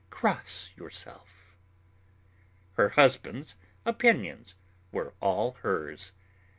Cross yourself." Her husband's opinions were all hers.